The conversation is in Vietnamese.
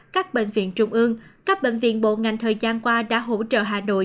các bệnh viện trung ương các bệnh viện bộ ngành thời gian qua đã hỗ trợ hà nội